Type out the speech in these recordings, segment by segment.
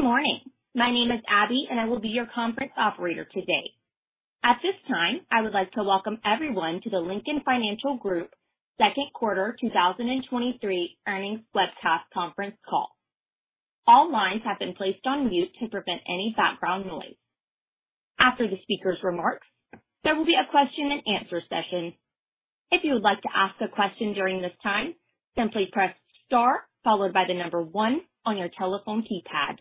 Good morning. My name is Abby, and I will be your conference operator today. At this time, I would like to welcome everyone to the Lincoln Financial Group Second Quarter 2023 Earnings Webcast Conference Call. All lines have been placed on mute to prevent any background noise. After the speaker's remarks, there will be a question-and-answer session. If you would like to ask a question during this time, simply press star followed by the number one on your telephone keypad.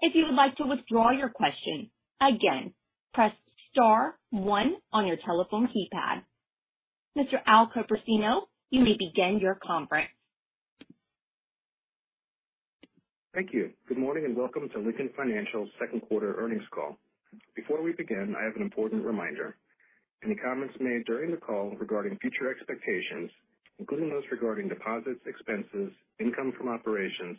If you would like to withdraw your question, again, press star one on your telephone keypad. Mr. Al Copersino, you may begin your conference. Thank you. Good morning, welcome to Lincoln Financial's second quarter earnings call. Before we begin, I have an important reminder. Any comments made during the call regarding future expectations, including those regarding deposits, expenses, income from operations,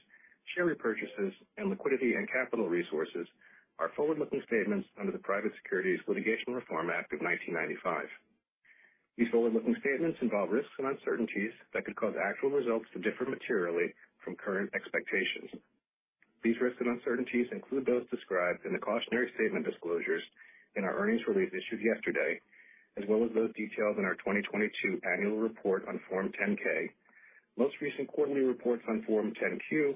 share repurchases, and liquidity and capital resources, are forward-looking statements under the Private Securities Litigation Reform Act of 1995. These forward-looking statements involve risks and uncertainties that could cause actual results to differ materially from current expectations. These risks and uncertainties include those described in the cautionary statement disclosures in our earnings release issued yesterday, as well as those detailed in our 2022 annual report on Form 10-K, most recent quarterly reports on Form 10-Q,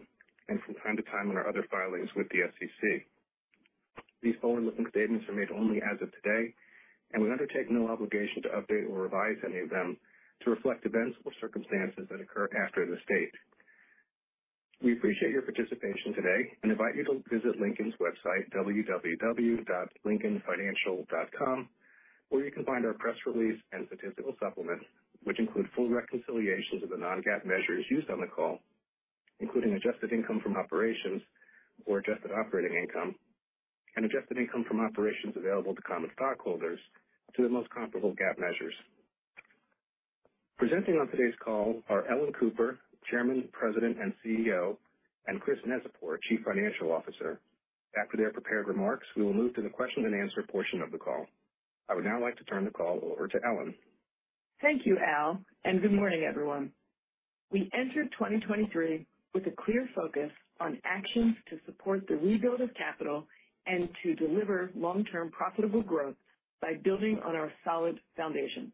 and from time to time in our other filings with the SEC. These forward-looking statements are made only as of today, and we undertake no obligation to update or revise any of them to reflect events or circumstances that occur after this date. We appreciate your participation today and invite you to visit Lincoln's website, www.lincolnfinancial.com, where you can find our press release and statistical supplement, which include full reconciliations of the non-GAAP measures used on the call, including adjusted income from operations or adjusted operating income and adjusted income from operations available to common stockholders to the most comparable GAAP measures. Presenting on today's call are Ellen Cooper, Chairman, President, and CEO, and Chris Neczypor, Chief Financial Officer. After their prepared remarks, we will move to the question-and-answer portion of the call. I would now like to turn the call over to Ellen. Thank you, Al, good morning, everyone. We entered 2023 with a clear focus on actions to support the rebuild of capital and to deliver long-term profitable growth by building on our solid foundation.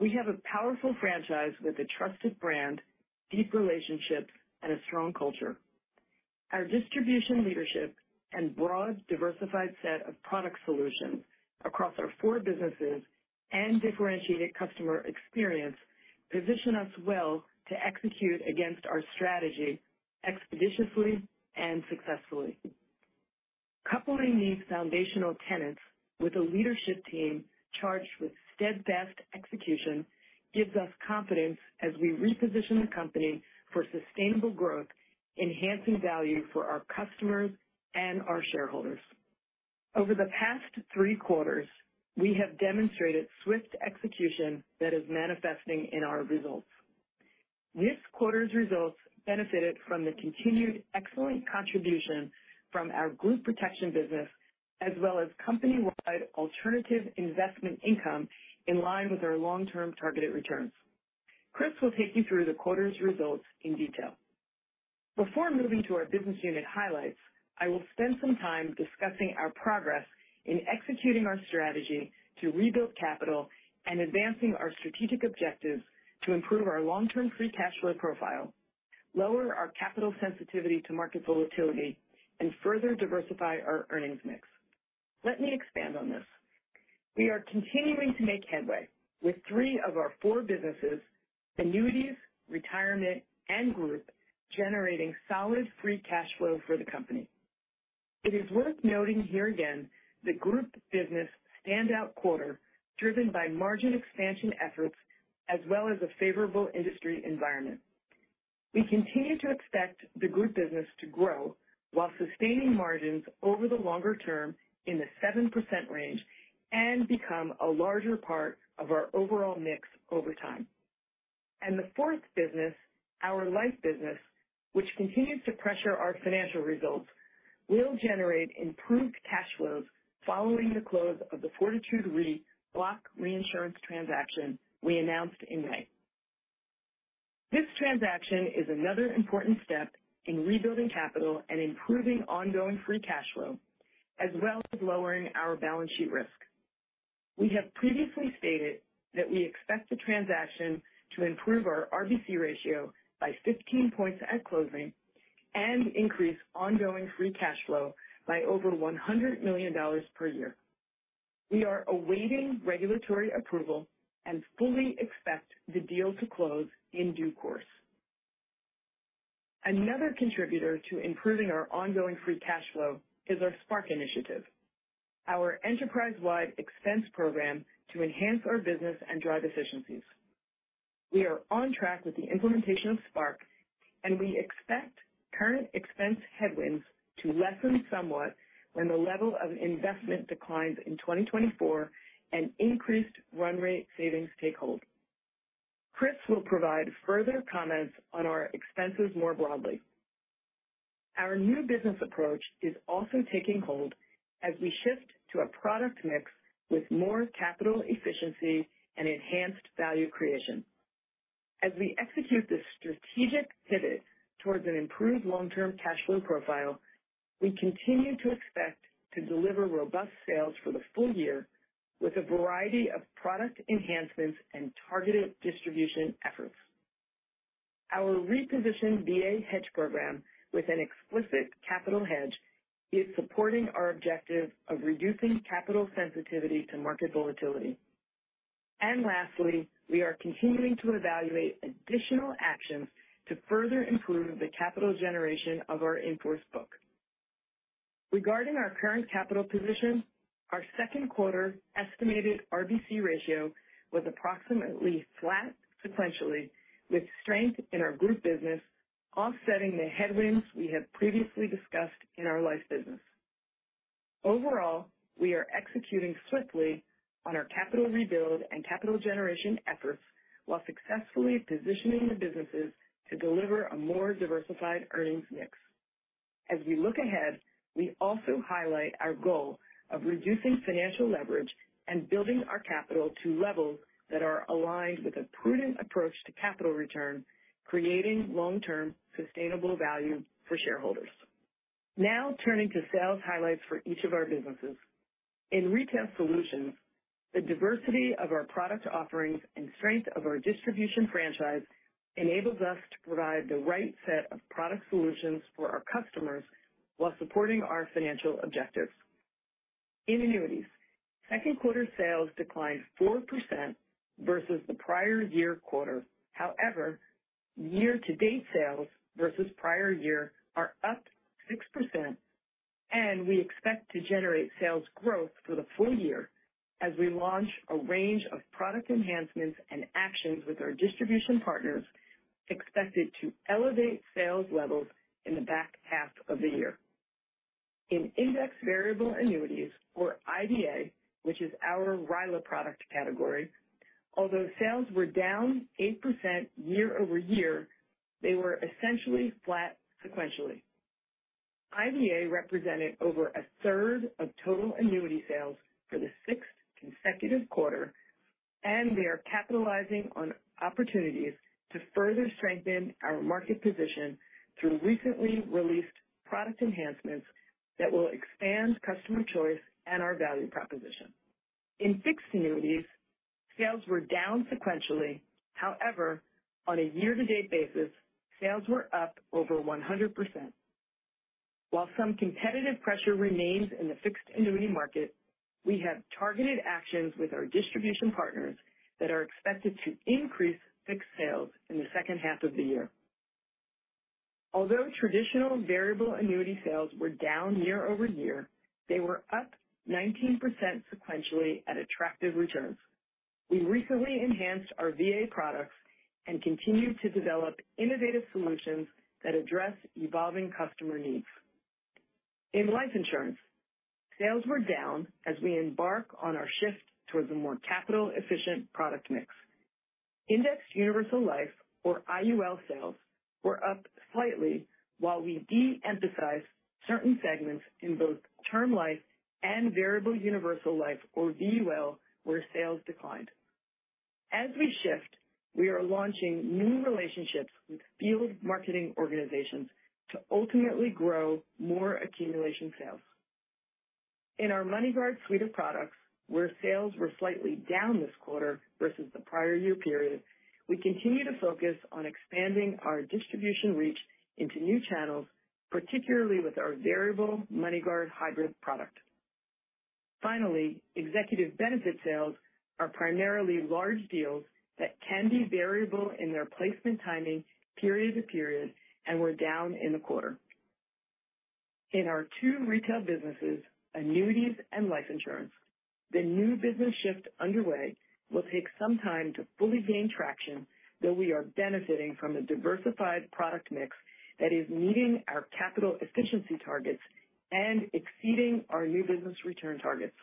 We have a powerful franchise with a trusted brand, deep relationships, and a strong culture. Our distribution, leadership, and broad, diversified set of product solutions across our four businesses and differentiated customer experience position us well to execute against our strategy expeditiously and successfully. Coupling these foundational tenets with a leadership team charged with steadfast execution gives us confidence as we reposition the company for sustainable growth, enhancing value for our customers and our shareholders. Over the past three quarters, we have demonstrated swift execution that is manifesting in our results. This quarter's results benefited from the continued excellent contribution from our group protection business, as well as company-wide alternative investment income in line with our long-term targeted returns. Chris will take you through the quarter's results in detail. Before moving to our business unit highlights, I will spend some time discussing our progress in executing our strategy to rebuild capital and advancing our strategic objectives to improve our long-term free cash flow profile, lower our capital sensitivity to market volatility, and further diversify our earnings mix. Let me expand on this. We are continuing to make headway with three of our four businesses, Annuities, Retirement, and Group, generating solid free cash flow for the company. It is worth noting here again, the group business standout quarter, driven by margin expansion efforts as well as a favorable industry environment. We continue to expect the group business to grow while sustaining margins over the longer term in the 7% range and become a larger part of our overall mix over time. The fourth business, our Life business, which continues to pressure our financial results, will generate improved cash flows following the close of the Fortitude Re block reinsurance transaction we announced in May. This transaction is another important step in rebuilding capital and improving ongoing free cash flow, as well as lowering our balance sheet risk. We have previously stated that we expect the transaction to improve our RBC ratio by 15 points at closing and increase ongoing free cash flow by over $100 million per year. We are awaiting regulatory approval and fully expect the deal to close in due course. Another contributor to improving our ongoing free cash flow is our Spark Initiative, our enterprise-wide expense program to enhance our business and drive efficiencies. We are on track with the implementation of Spark, and we expect current expense headwinds to lessen somewhat when the level of investment declines in 2024 and increased run rate savings take hold. Chris will provide further comments on our expenses more broadly. Our new business approach is also taking hold as we shift to a product mix with more capital efficiency and enhanced value creation. As we execute this strategic pivot towards an improved long-term cash flow profile, we continue to expect to deliver robust sales for the full year with a variety of product enhancements and targeted distribution efforts. Our repositioned VA hedge program, with an explicit capital hedge, is supporting our objective of reducing capital sensitivity to market volatility. Lastly, we are continuing to evaluate additional actions to further improve the capital generation of our in-force book. Regarding our current capital position, our second quarter estimated RBC ratio was approximately flat sequentially, with strength in our group business offsetting the headwinds we have previously discussed in our life business. Overall, we are executing swiftly on our capital rebuild and capital generation efforts, while successfully positioning the businesses to deliver a more diversified earnings mix. As we look ahead, we also highlight our goal of reducing financial leverage and building our capital to levels that are aligned with a prudent approach to capital return, creating long-term sustainable value for shareholders. Turning to sales highlights for each of our businesses. In retail solutions, the diversity of our product offerings and strength of our distribution franchise enables us to provide the right set of product solutions for our customers while supporting our financial objectives. In Annuities, second quarter sales declined 4% versus the prior year quarter. Year-to-date sales versus prior year are up 6%, and we expect to generate sales growth for the full year as we launch a range of product enhancements and actions with our distribution partners, expected to elevate sales levels in the back half of the year. In Index Variable Annuities, or IVA, which is our RILA product category, although sales were down 8% year-over-year, they were essentially flat sequentially. IVA represented over a third of total annuity sales for the sixth consecutive quarter, and we are capitalizing on opportunities to further strengthen our market position through recently released product enhancements that will expand customer choice and our value proposition. In fixed annuities, sales were down sequentially. However, on a year-to-date basis, sales were up over 100%. While some competitive pressure remains in the fixed annuity market, we have targeted actions with our distribution partners that are expected to increase fixed sales in the second half of the year. Although traditional variable annuity sales were down year-over-year, they were up 19% sequentially at attractive returns. We recently enhanced our VA products and continue to develop innovative solutions that address evolving customer needs. In Life Insurance, sales were down as we embark on our shift towards a more capital-efficient product mix. Indexed Universal Life, or IUL sales, were up slightly, while we de-emphasized certain segments in both Term Life and Variable Universal Life, or VUL, where sales declined. As we shift, we are launching new relationships with Field Marketing Organizations to ultimately grow more accumulation sales. In our MoneyGuard suite of products, where sales were slightly down this quarter versus the prior year period, we continue to focus on expanding our distribution reach into new channels, particularly with our variable MoneyGuard hybrid product. Finally, executive benefit sales are primarily large deals that can be variable in their placement, timing, period to period, and were down in the quarter. In our two retail businesses, Annuities and Life Insurance, the new business shift underway will take some time to fully gain traction, though we are benefiting from a diversified product mix that is meeting our capital efficiency targets and exceeding our new business return targets.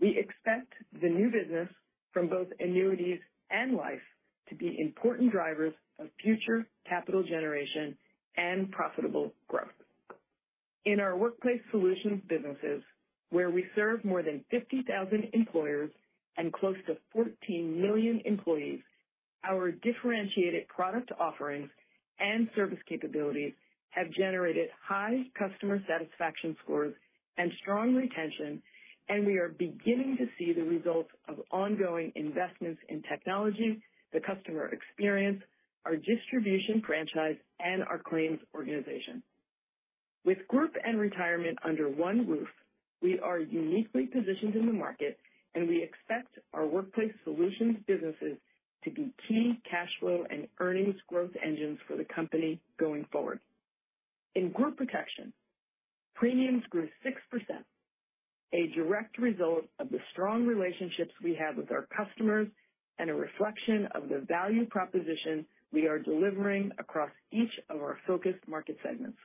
We expect the new business from both Annuities and Life to be important drivers of future capital generation and profitable growth. In our Workplace Solutions businesses, where we serve more than 50,000 employers and close to 14 million employees, our differentiated product offerings and service capabilities have generated high customer satisfaction scores and strong retention, and we are beginning to see the results of ongoing investments in technology, the customer experience, our distribution franchise, and our claims organization. With Group and Retirement under one roof, we are uniquely positioned in the market, and we expect our Workplace Solutions businesses to be key cash flow and earnings growth engines for the company going forward. In Group Protection, premiums grew 6%, a direct result of the strong relationships we have with our customers and a reflection of the value proposition we are delivering across each of our focused market segments.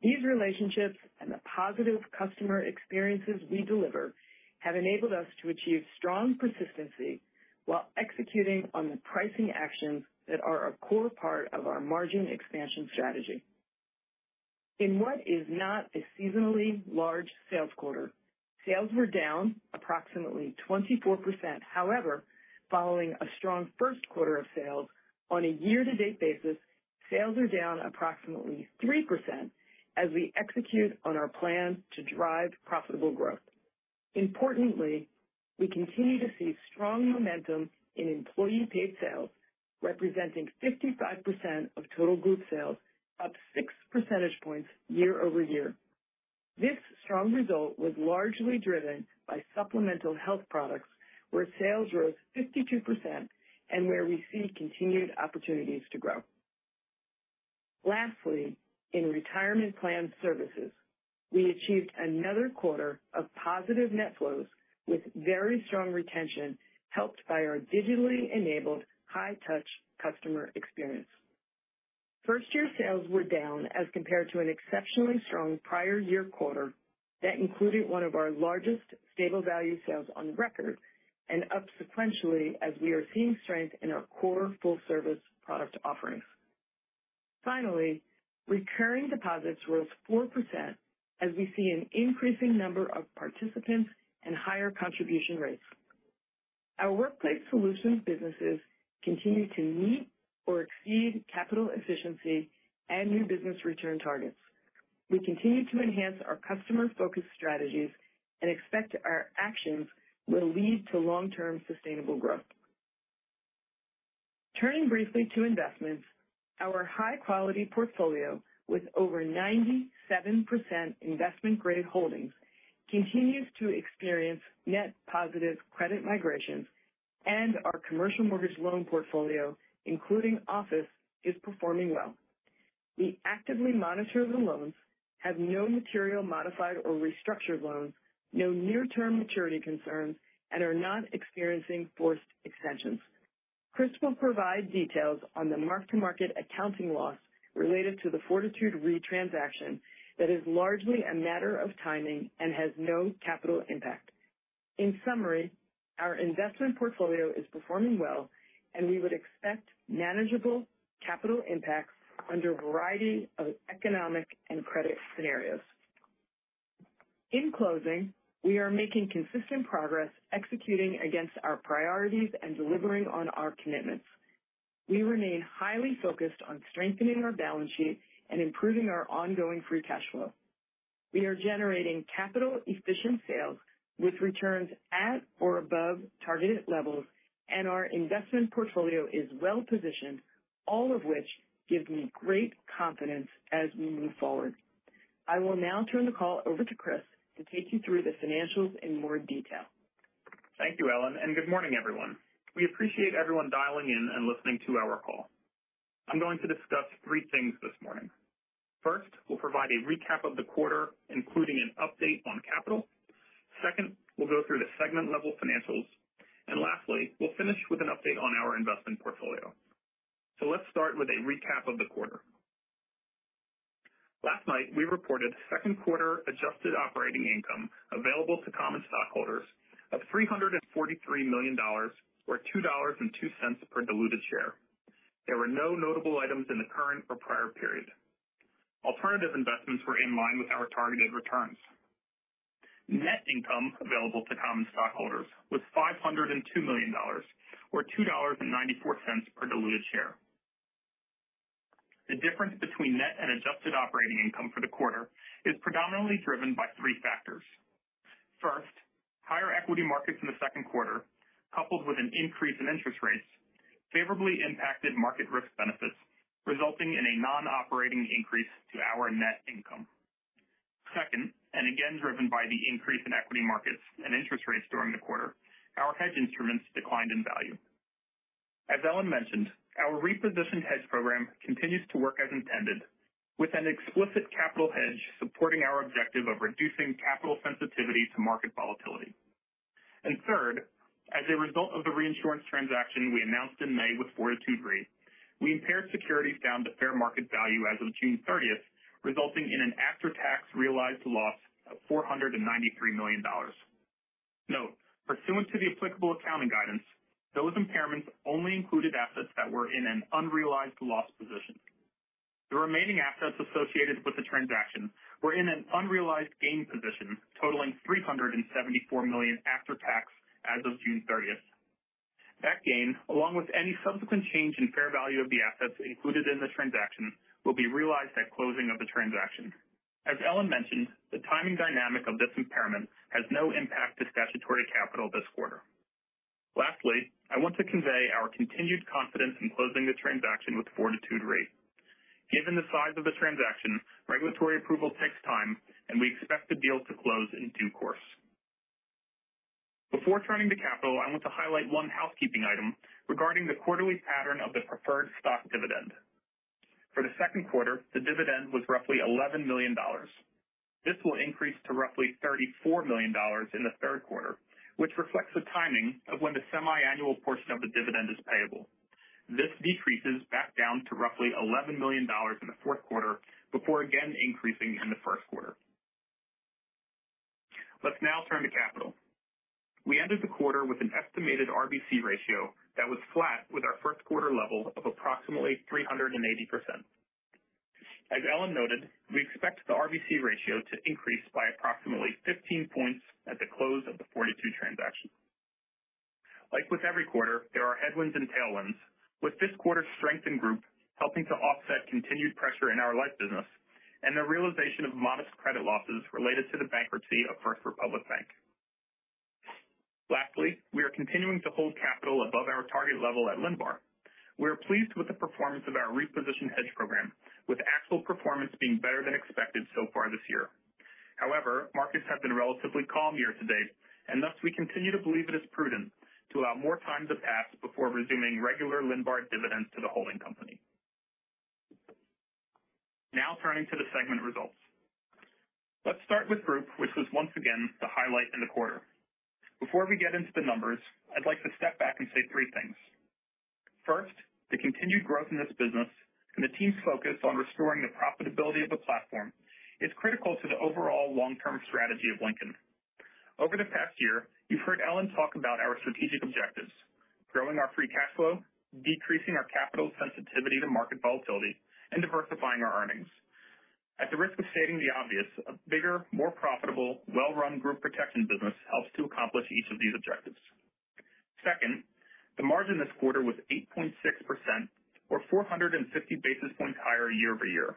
These relationships and the positive customer experiences we deliver have enabled us to achieve strong persistency while executing on the pricing actions that are a core part of our margin expansion strategy.... in what is not a seasonally large sales quarter, sales were down approximately 24%. However, following a strong first quarter of sales on a year-to-date basis, sales are down approximately 3% as we execute on our plan to drive profitable growth. Importantly, we continue to see strong momentum in employee-paid sales, representing 55% of total group sales, up 6 percentage points year-over-year. This strong result was largely driven by supplemental health products, where sales rose 52% and where we see continued opportunities to grow. Lastly, in Retirement Plan services, we achieved another quarter of positive net flows with very strong retention, helped by our digitally enabled high-touch customer experience. First year sales were down as compared to an exceptionally strong prior year quarter that included one of our largest stable value sales on record and up sequentially as we are seeing strength in our core full-service product offerings. Finally, recurring deposits rose 4% as we see an increasing number of participants and higher contribution rates. Our Workplace Solutions businesses continue to meet or exceed capital efficiency and new business return targets. We continue to enhance our customer-focused strategies and expect our actions will lead to long-term sustainable growth. Turning briefly to investments, our high-quality portfolio with over 97% investment-grade holdings, continues to experience net positive credit migrations, and our commercial mortgage loan portfolio, including office, is performing well. We actively monitor the loans, have no material modified or restructured loans, no near-term maturity concerns, and are not experiencing forced extensions. Chris will provide details on the mark-to-market accounting loss related to the Fortitude Re transaction that is largely a matter of timing and has no capital impact. In summary, our investment portfolio is performing well, and we would expect manageable capital impacts under a variety of economic and credit scenarios. In closing, we are making consistent progress, executing against our priorities and delivering on our commitments. We remain highly focused on strengthening our balance sheet and improving our ongoing free cash flow. We are generating capital-efficient sales with returns at or above targeted levels, and our investment portfolio is well positioned, all of which gives me great confidence as we move forward. I will now turn the call over to Chris to take you through the financials in more detail. Thank you, Ellen, and good morning, everyone. We appreciate everyone dialing in and listening to our call. I'm going to discuss three things this morning. First, we'll provide a recap of the quarter, including an update on capital. Second, we'll go through the segment-level financials. Lastly, we'll finish with an update on our investment portfolio. Let's start with a recap of the quarter. Last night, we reported second quarter adjusted operating income available to common stockholders of $343 million or $2.02 per diluted share. There were no notable items in the current or prior period. Alternative investments were in line with our targeted returns. Net income available to common stockholders was $502 million, or $2.94 per diluted share. The difference between net and adjusted operating income for the quarter is predominantly driven by three factors. First, higher equity markets in the second quarter, coupled with an increase in interest rates, favorably impacted market risk benefits, resulting in a non-operating increase to our net income. Second, again, driven by the increase in equity markets and interest rates during the quarter, our hedge instruments declined in value. As Ellen mentioned, our repositioned hedge program continues to work as intended, with an explicit capital hedge supporting our objective of reducing capital sensitivity to market volatility. Third, as a result of the reinsurance transaction we announced in May with Fortitude Re, we impaired securities down to fair market value as of June 30th, resulting in an after-tax realized loss of $493 million. Note, pursuant to the applicable accounting guidance, those impairments only included assets that were in an unrealized loss position. The remaining assets associated with the transaction were in an unrealized gain position, totaling $374 million after tax as of June 30th. That gain, along with any subsequent change in fair value of the assets included in the transaction, will be realized at closing of the transaction. As Ellen mentioned, the timing dynamic of this impairment has no impact to statutory capital this quarter. Lastly, I want to convey our continued confidence in closing the transaction with Fortitude Re. Given the size of the transaction, regulatory approval takes time, and we expect the deal to close in due course. Before turning to capital, I want to highlight one housekeeping item regarding the quarterly pattern of the preferred stock dividend. For the second quarter, the dividend was roughly $11 million. This will increase to roughly $34 million in the third quarter, which reflects the timing of when the semiannual portion of the dividend is payable. This decreases back down to roughly $11 million in the fourth quarter, before again increasing in the first quarter. Turning to capital. We ended the quarter with an estimated RBC ratio that was flat with our first quarter level of approximately 380%. As Ellen noted, we expect the RBC ratio to increase by approximately 15 points at the close of the Fortitude transaction. Like with every quarter, there are headwinds and tailwinds, with this quarter's strength in group helping to offset continued pressure in our life business and the realization of modest credit losses related to the bankruptcy of First Republic Bank. Lastly, we are continuing to hold capital above our target level at LNBAR. We are pleased with the performance of our reposition hedge program, with actual performance being better than expected so far this year. However, markets have been relatively calm year-to-date, and thus we continue to believe it is prudent to allow more time to pass before resuming regular LNBAR dividends to the holding company. Now, turning to the segment results. Let's start with Group, which was once again the highlight in the quarter. Before we get into the numbers, I'd like to step back and say three things: First, the continued growth in this business and the team's focus on restoring the profitability of the platform is critical to the overall long-term strategy of Lincoln. Over the past year, you've heard Ellen talk about our strategic objectives, growing our free cash flow, decreasing our capital sensitivity to market volatility, and diversifying our earnings. At the risk of stating the obvious, a bigger, more profitable, well-run Group Protection business helps to accomplish each of these objectives. Second, the margin this quarter was 8.6% or 450 basis points higher year-over-year.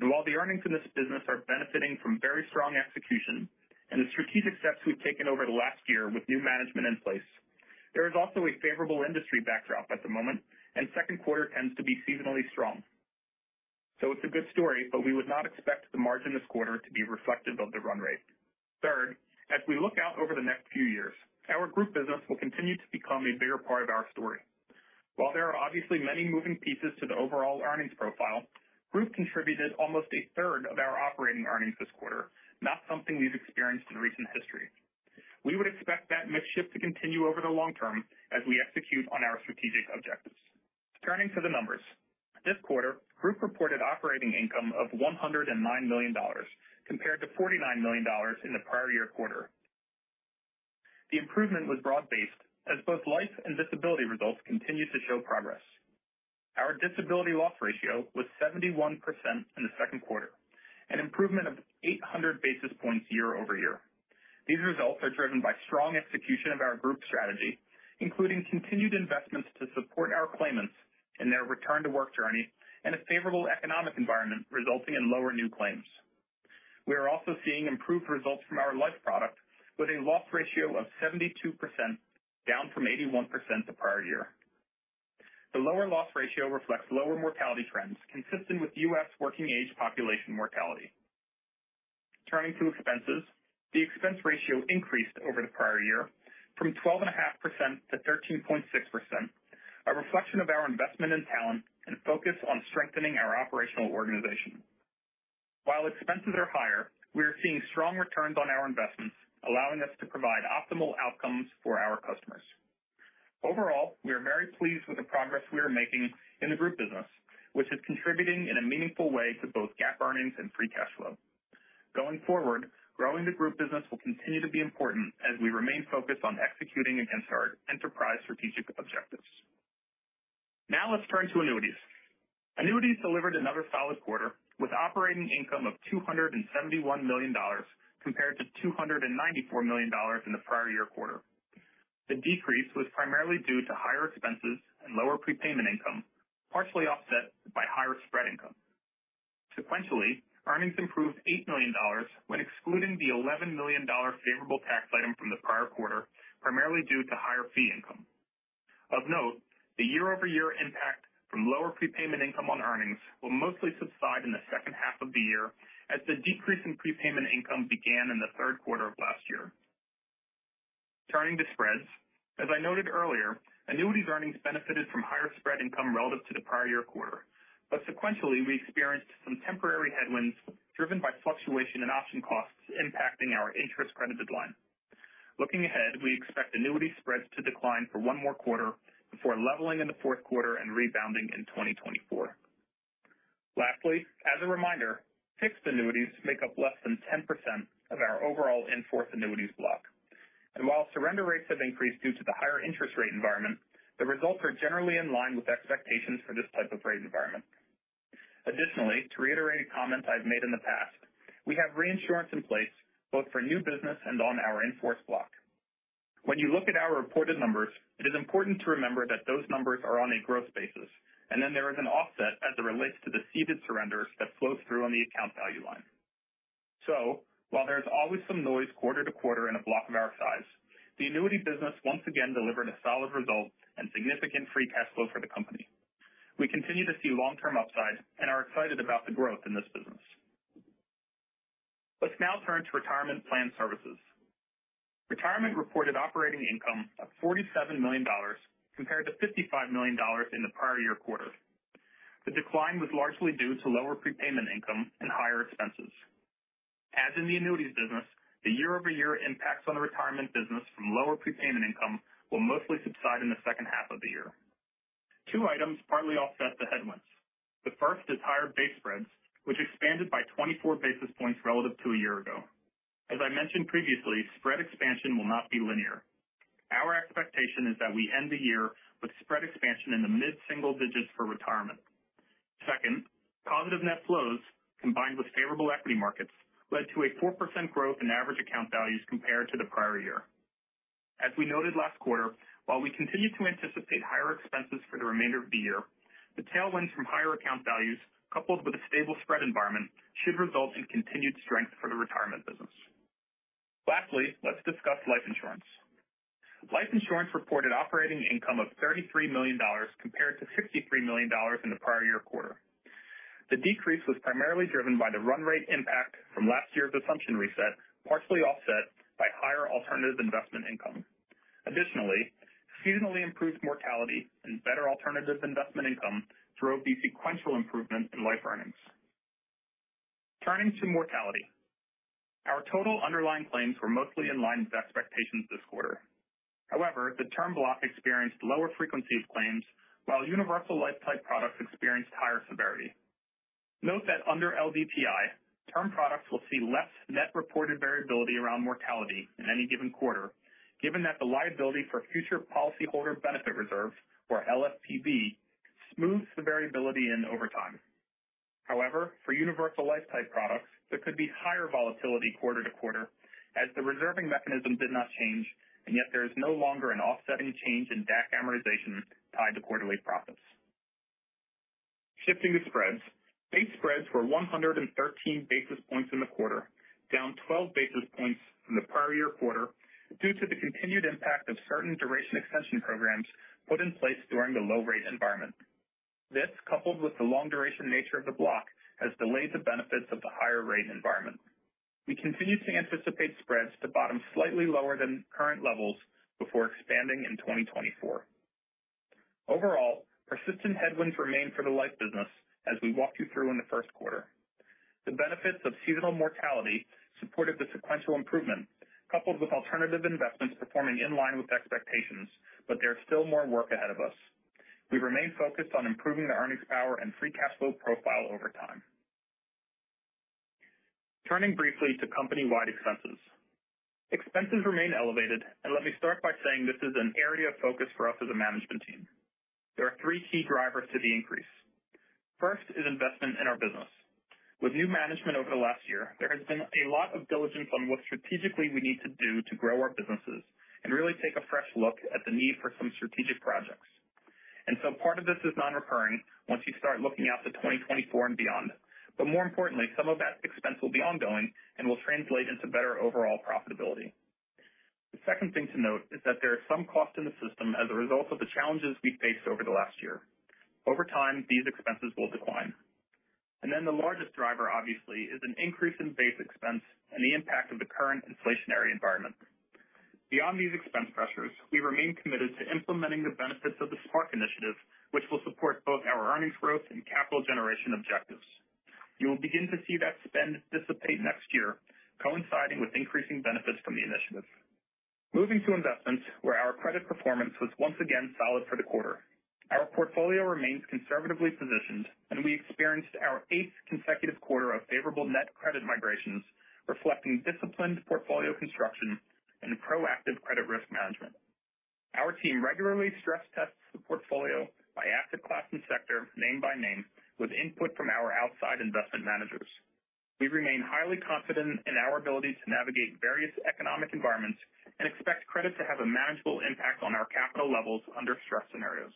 While the earnings in this business are benefiting from very strong execution and the strategic steps we've taken over the last year with new management in place, there is also a favorable industry backdrop at the moment, and second quarter tends to be seasonally strong. It's a good story, but we would not expect the margin this quarter to be reflective of the run rate. Third, as we look out over the next few years, our Group business will continue to become a bigger part of our story. While there are obviously many moving pieces to the overall earnings profile, group contributed almost a third of our operating earnings this quarter, not something we've experienced in recent history. We would expect that mix shift to continue over the long term as we execute on our strategic objectives. Turning to the numbers. This quarter, Group reported operating income of $109 million, compared to $49 million in the prior year quarter. The improvement was broad-based, as both life and disability results continued to show progress. Our disability loss ratio was 71% in the second quarter, an improvement of 800 basis points year-over-year. These results are driven by strong execution of our Group strategy, including continued investments to support our claimants in their return-to-work journey and a favorable economic environment resulting in lower new claims. We are also seeing improved results from our life product, with a loss ratio of 72%, down from 81% the prior year. The lower loss ratio reflects lower mortality trends, consistent with U.S. working age population mortality. Turning to expenses, the expense ratio increased over the prior year from 12.5% to 13.6%, a reflection of our investment in talent and focus on strengthening our operational organization. While expenses are higher, we are seeing strong returns on our investments, allowing us to provide optimal outcomes for our customers. Overall, we are very pleased with the progress we are making in the Group business, which is contributing in a meaningful way to both GAAP earnings and free cash flow. Going forward, growing the Group business will continue to be important as we remain focused on executing against our enterprise strategic objectives. Now let's turn to Annuities. Annuities delivered another solid quarter, with operating income of $271 million, compared to $294 million in the prior year quarter. The decrease was primarily due to higher expenses and lower prepayment income, partially offset by higher spread income. Sequentially, earnings improved $8 million when excluding the $11 million favorable tax item from the prior quarter, primarily due to higher fee income. Of note, the year-over-year impact from lower prepayment income on earnings will mostly subside in the second half of the year, as the decrease in prepayment income began in the third quarter of last year. Turning to spreads. As I noted earlier, Annuities earnings benefited from higher spread income relative to the prior year quarter, but sequentially, we experienced some temporary headwinds driven by fluctuation in option costs impacting our interest credit bid line. Looking ahead, we expect Annuities spreads to decline for one more quarter before leveling in the fourth quarter and rebounding in 2024. Lastly, as a reminder, fixed Annuities make up less than 10% of our overall in-force annuities block, and while surrender rates have increased due to the higher interest rate environment, the results are generally in line with expectations for this type of rate environment. Additionally, to reiterate comments I've made in the past, we have reinsurance in place both for new business and on our in-force block. When you look at our reported numbers, it is important to remember that those numbers are on a gross basis, and then there is an offset as it relates to the ceded surrenders that flows through on the account value line. While there is always some noise quarter-to-quarter in a block of our size, the Annuity business once again delivered a solid result and significant free cash flow for the company. We continue to see long-term upside and are excited about the growth in this business. Let's now turn to Retirement Plan services. Retirement reported operating income of $47 million compared to $55 million in the prior year quarter. The decline was largely due to lower prepayment income and higher expenses. As in the annuities business, the year-over-year impacts on the retirement business from lower prepayment income will mostly subside in the second half of the year. Two items partly offset the headwinds. The first is higher base spreads, which expanded by 24 basis points relative to a year ago. As I mentioned previously, spread expansion will not be linear. Our expectation is that we end the year with spread expansion in the mid-single digits for Retirement. Second, positive net flows, combined with favorable equity markets, led to a 4% growth in average account values compared to the prior year. As we noted last quarter, while we continue to anticipate higher expenses for the remainder of the year, the tailwinds from higher account values, coupled with a stable spread environment, should result in continued strength for the Retirement business. Lastly, let's discuss Life Insurance. Life Insurance reported operating income of $33 million compared to $63 million in the prior year quarter. The decrease was primarily driven by the run rate impact from last year's assumption reset, partially offset by higher alternative investment income. Additionally, seasonally improved mortality and better alternative investment income drove the sequential improvement in Life earnings. Turning to mortality. Our total underlying claims were mostly in line with expectations this quarter. However, the term block experienced lower frequency of claims, while universal life type products experienced higher severity. Note that under LDTI, term products will see less net reported variability around mortality in any given quarter, given that the liability for future policyholder benefit reserves, or LFPB, smooths the variability in over time. However, for universal life type products, there could be higher volatility quarter to quarter as the reserving mechanism did not change, and yet there is no longer an offsetting change in DAC amortization tied to quarterly profits. Shifting to spreads. Base spreads were 113 basis points in the quarter, down 12 basis points from the prior year quarter due to the continued impact of certain duration extension programs put in place during the low-rate environment. This, coupled with the long-duration nature of the block, has delayed the benefits of the higher rate environment. We continue to anticipate spreads to bottom slightly lower than current levels before expanding in 2024. Overall, persistent headwinds remain for the life business as we walked you through in the first quarter. The benefits of seasonal mortality supported the sequential improvement, coupled with alternative investments performing in line with expectations, but there is still more work ahead of us. We remain focused on improving the earnings power and free cash flow profile over time. Turning briefly to company-wide expenses. Expenses remain elevated, and let me start by saying this is an area of focus for us as a management team. There are three key drivers to the increase. First is investment in our business. With new management over the last year, there has been a lot of diligence on what strategically we need to do to grow our businesses and really take a fresh look at the need for some strategic projects. So part of this is nonrecurring once you start looking out to 2024 and beyond, but more importantly, some of that expense will be ongoing and will translate into better overall profitability. The second thing to note is that there are some costs in the system as a result of the challenges we faced over the last year. Over time, these expenses will decline. Then the largest driver, obviously, is an increase in base expense and the impact of the current inflationary environment. Beyond these expense pressures, we remain committed to implementing the benefits of the Spark initiative, which will support both our earnings growth and capital generation objectives. You will begin to see that spend dissipate next year, coinciding with increasing benefits from the initiative. Moving to investments, where our credit performance was once again solid for the quarter. Our portfolio remains conservatively positioned, and we experienced our eighth consecutive quarter of favorable net credit migrations, reflecting disciplined portfolio construction and proactive credit risk management. Our team regularly stress tests the portfolio by asset class and sector, name by name, with input from our outside investment managers. We remain highly confident in our ability to navigate various economic environments and expect credit to have a manageable impact on our capital levels under stress scenarios.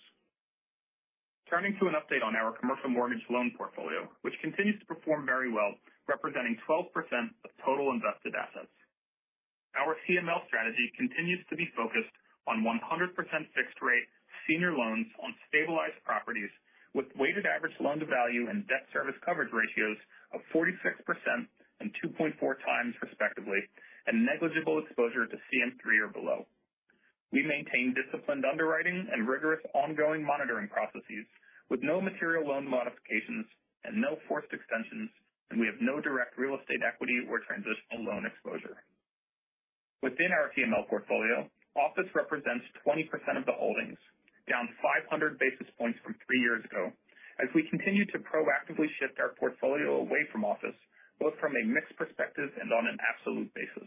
Turning to an update on our Commercial Mortgage Loan portfolio, which continues to perform very well, representing 12% of total invested assets. Our CML strategy continues to be focused on 100% fixed rate senior loans on stabilized properties, with weighted average loan-to-value and debt service coverage ratios of 46% and 2.4 times, respectively, and negligible exposure to CM-3 or below. We maintain disciplined underwriting and rigorous ongoing monitoring processes with no material loan modifications and no forced extensions, we have no direct real estate equity or transitional loan exposure. Within our CML portfolio, Office represents 20% of the holdings, down 500 basis points from three years ago, as we continue to proactively shift our portfolio away from office, both from a mix perspective and on an absolute basis.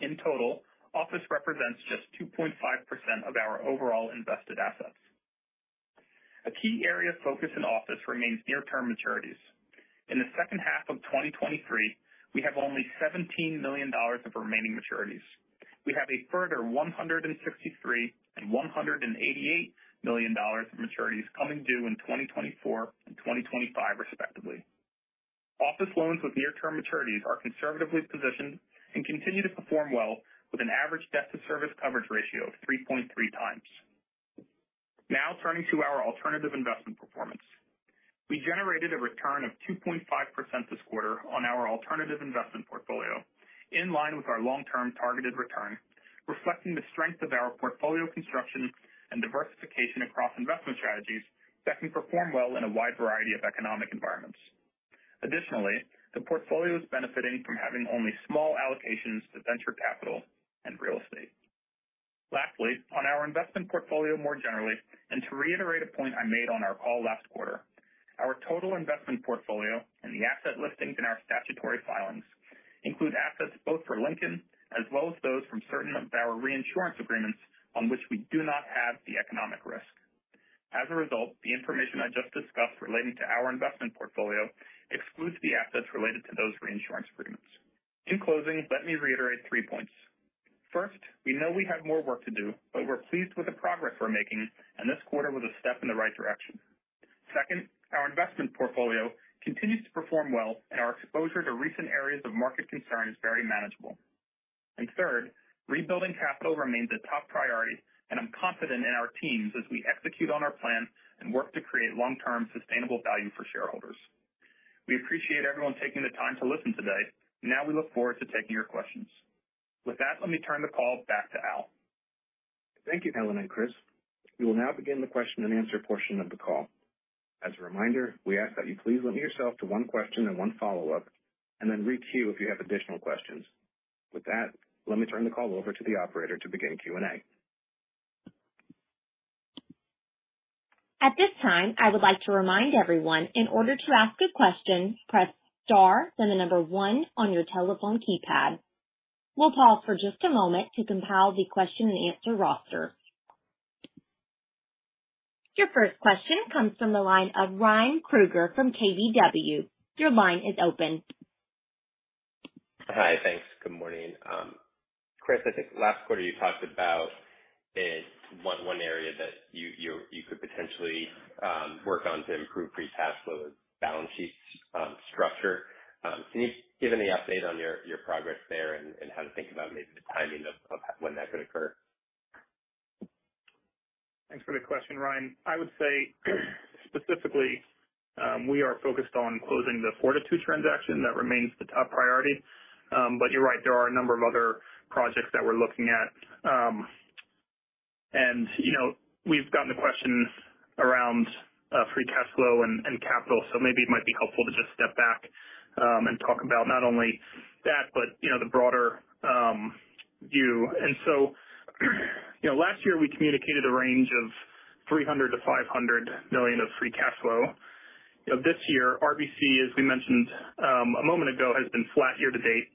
In total, Office represents just 2.5% of our overall invested assets. A key area of focus in Office remains near-term maturities. In the second half of 2023, we have only $17 million of remaining maturities. We have a further $163 million and $188 million of maturities coming due in 2024 and 2025, respectively. Office loans with near-term maturities are conservatively positioned and continue to perform well, with an average debt-to-service coverage ratio of 3.3x. Turning to our alternative investment performance. We generated a return of 2.5% this quarter on our alternative investment portfolio, in line with our long-term targeted return, reflecting the strength of our portfolio construction and diversification across investment strategies that can perform well in a wide variety of economic environments. The portfolio is benefiting from having only small allocations to venture capital and real estate. On our investment portfolio more generally, and to reiterate a point I made on our call last quarter, our total investment portfolio and the asset listings in our statutory filings include assets both for Lincoln as well as those from certain of our reinsurance agreements on which we do not have the economic risk. As a result, the information I just discussed relating to our investment portfolio excludes the assets related to those reinsurance agreements. In closing, let me reiterate three points. First, we know we have more work to do, but we're pleased with the progress we're making, and this quarter was a step in the right direction. Second, our investment portfolio continues to perform well, and our exposure to recent areas of market concern is very manageable. Third, rebuilding capital remains a top priority, and I'm confident in our teams as we execute on our plan and work to create long-term sustainable value for shareholders. We appreciate everyone taking the time to listen today. Now we look forward to taking your questions. With that, let me turn the call back to Al. Thank you, Ellen and Chris. We will now begin the question-and-answer portion of the call. As a reminder, we ask that you please limit yourself to one question and one follow-up, and then re cue if you have additional questions. With that, let me turn the call over to the operator to begin Q&A. At this time, I would like to remind everyone, in order to ask a question, press star, then the number 1 on your telephone keypad. We'll pause for just a moment to compile the question-and-answer roster. Your first question comes from the line of Ryan Krueger from KBW. Your line is open. Hi, thanks. Good morning. Chris, I think last quarter you talked about in one, one area that you, you could potentially work on to improve free cash flow and balance sheet structure. Can you give any update on your, your progress there and, and how to think about maybe the timing of, of when that could occur? Thanks for the question, Ryan. I would say specifically, we are focused on closing the Fortitude transaction. That remains the top priority. You're right, there are a number of other projects that we're looking at. You know, we've gotten the questions around free cash flow and, and capital, so maybe it might be helpful to just step back and talk about not only that but, you know, the broader view. So, you know, last year, we communicated a range of $300 million-$500 million of free cash flow. You know, this year, RBC, as we mentioned, a moment ago, has been flat year to date.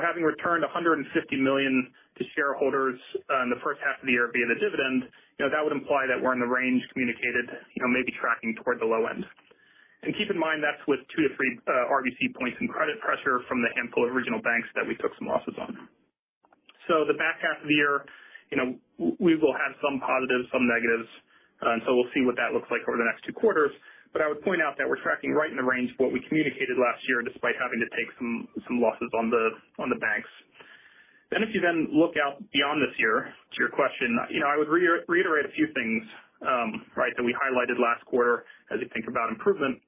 Having returned $150 million to shareholders in the first half of the year via the dividend, you know, that would imply that we're in the range communicated, you know, maybe tracking toward the low end. Keep in mind, that's with 2-3 RBC points and credit pressure from the handful of regional banks that we took some losses on. The back half of the year, you know, we will have some positives, some negatives, we'll see what that looks like over the next two quarters. I would point out that we're tracking right in the range of what we communicated last year, despite having to take some, some losses on the banks. If you then look out beyond this year, to your question, you know, I would reiterate a few things, right, that we highlighted last quarter as you think about improvement.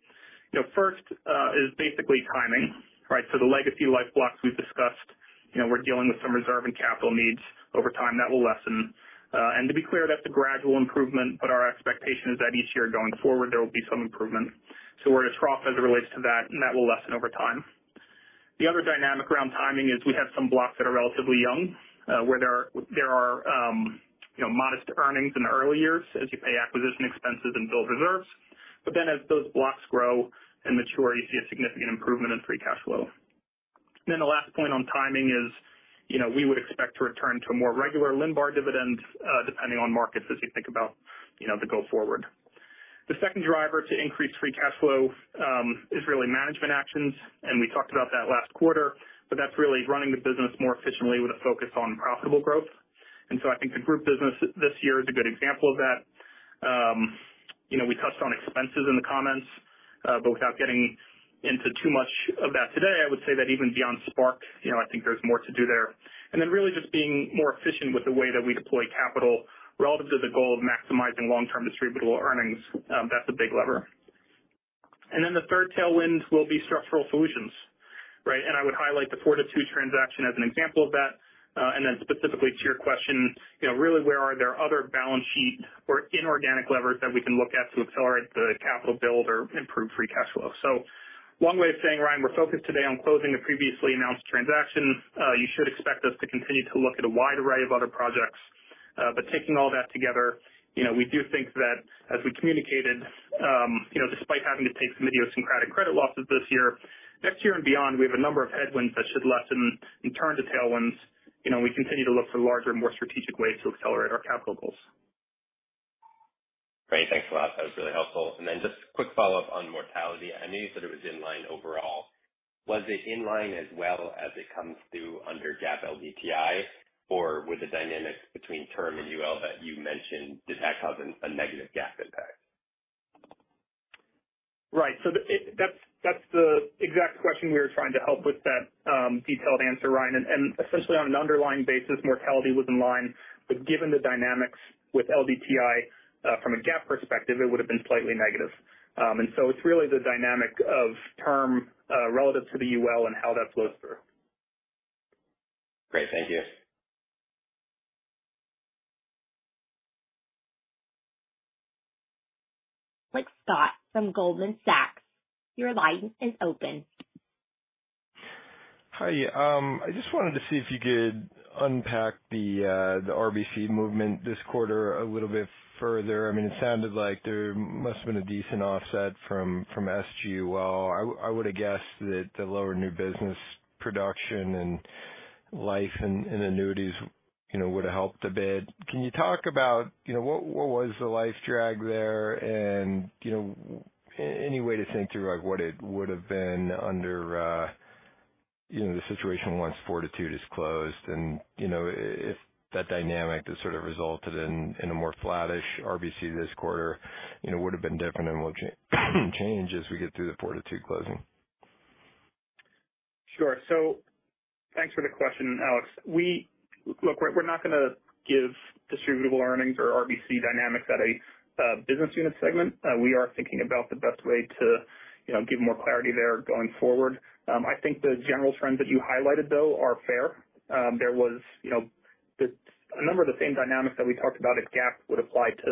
You know, first, is basically timing, right? So the legacy life blocks we've discussed, you know, we're dealing with some reserve and capital needs over time, that will lessen. And to be clear, that's a gradual improvement, but our expectation is that each year going forward, there will be some improvement. So we're at a trough as it relates to that, and that will lessen over time. The other dynamic around timing is we have some blocks that are relatively young, where there are, there are, you know, modest earnings in the early years as you pay acquisition expenses and build reserves. As those blocks grow and mature, you see a significant improvement in free cash flow. The last point on timing is, you know, we would expect to return to a more regular Lincoln dividend, depending on markets, as you think about, you know, the go forward. The second driver to increase free cash flow is really management actions, and we talked about that last quarter, but that's really running the business more efficiently with a focus on profitable growth. I think the group business this year is a good example of that. You know, we touched on expenses in the comments, but without getting into too much of that today, I would say that even beyond Spark, you know, I think there's more to do there. Really just being more efficient with the way that we deploy capital relative to the goal of maximizing long-term distributable earnings, that's a big lever. The third tailwind will be structural solutions, right? I would highlight the Fortitude transaction as an example of that. Specifically to your question, you know, really, where are there other balance sheet or inorganic levers that we can look at to accelerate the capital build or improve free cash flow? One way of saying, Ryan, we're focused today on closing the previously announced transaction. You should expect us to continue to look at a wide array of other projects. Taking all that together, you know, we do think that as we communicated, you know, despite having to take some idiosyncratic credit losses this year, next year and beyond, we have a number of headwinds that should lessen and turn to tailwinds. You know, we continue to look for larger and more strategic ways to accelerate our capital goals. Great. Thanks a lot. That was really helpful. Then just a quick follow-up on mortality. I know you said it was in line overall. Was it in line as well as it comes through under GAAP LDTI, or were the dynamics between term and UL that you mentioned, did that cause a negative GAAP impact? Right. That's, that's the exact question we were trying to help with that detailed answer, Ryan. Especially on an underlying basis, mortality was in line, but given the dynamics with LDTI, from a GAAP perspective, it would have been slightly negative. It's really the dynamic of term, relative to the UL and how that flows through. Great. Thank you.... Alex Scott from Goldman Sachs, your line is open. Hi. I just wanted to see if you could unpack the RBC movement this quarter a little bit further. I mean, it sounded like there must have been a decent offset from, from SGUL. I, I would have guessed that the lower new business production and life and, and annuities, you know, would have helped a bit. Can you talk about, you know, what, what was the life drag there? And, you know, any way to think through, like, what it would have been under, you know, the situation once Fortitude is closed and, you know, if that dynamic that sort of resulted in, in a more flattish RBC this quarter, you know, would have been different and will change as we get through the Fortitude closing? Sure. Thanks for the question, Alex. We look, we're not going to give distributable earnings or RBC dynamics at a business unit segment. We are thinking about the best way to, you know, give more clarity there going forward. I think the general trends that you highlighted, though, are fair. There was, you know, a number of the same dynamics that we talked about at GAAP would apply to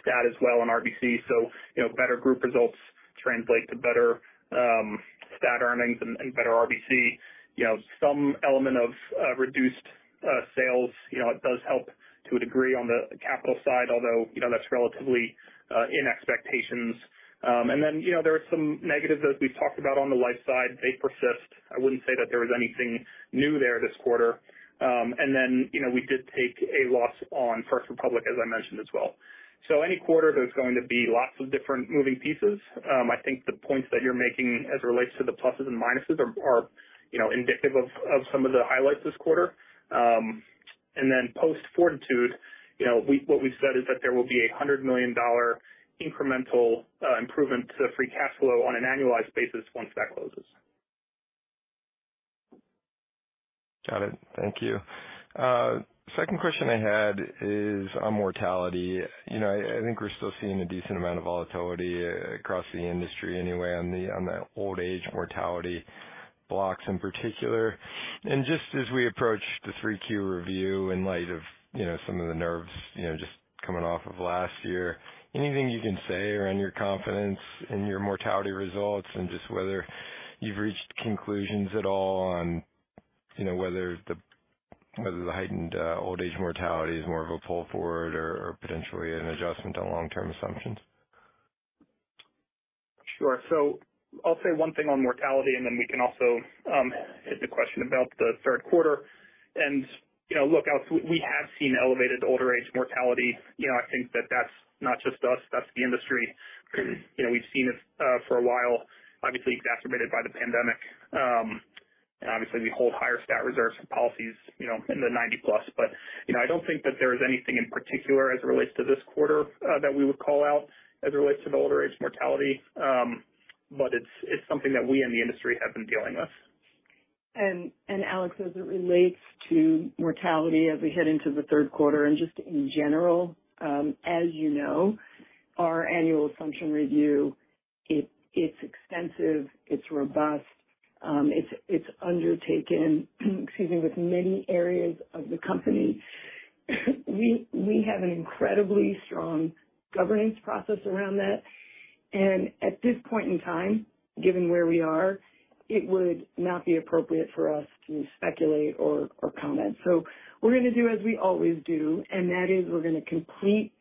stat as well on RBC. You know, better group results translate to better stat earnings and better RBC. You know, some element of reduced sales, you know, it does help to a degree on the capital side, although, you know, that's relatively in expectations. Then, you know, there are some negatives as we've talked about on the life side, they persist. I wouldn't say that there was anything new there this quarter. You know, we did take a loss on First Republic, as I mentioned as well. Any quarter, there's going to be lots of different moving pieces. I think the points that you're making as it relates to the pluses and minuses are, are, you know, indicative of, of some of the highlights this quarter. Post-Fortitude, you know, what we've said is that there will be a $100 million incremental improvement to the free cash flow on an annualized basis once that closes. Got it. Thank you. Second question I had is on mortality. You know, I, I think we're still seeing a decent amount of volatility across the industry anyway, on the, on the old age mortality blocks in particular. Just as we approach the 3Q review, in light of, you know, some of the nerves, you know, just coming off of last year, anything you can say around your confidence in your mortality results and just whether you've reached conclusions at all on, you know, whether the, whether the heightened old age mortality is more of a pull forward or, or potentially an adjustment on long-term assumptions? Sure. I'll say one thing on mortality, and then we can also hit the question about the third quarter. You know, look, Alex, we, we have seen elevated older age mortality. You know, I think that that's not just us, that's the industry. You know, we've seen this for a while, obviously exacerbated by the pandemic. Obviously, we hold higher stat reserves and policies, you know, in the 90 plus. You know, I don't think that there is anything in particular as it relates to this quarter that we would call out as it relates to the older age mortality. It's, it's something that we and the industry have been dealing with. Alex, as it relates to mortality, as we head into the third quarter and just in general, as you know, our annual assumption review, it's extensive, it's robust, it's undertaken, excuse me, with many areas of the company. We have an incredibly strong governance process around that, and at this point in time, given where we are, it would not be appropriate for us to speculate or comment. We're going to do as we always do, and that is we're going to complete